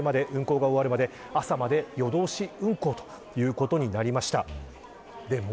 順次運行再開も全車両の運転が終わるまで朝まで夜通し運行ということになりました。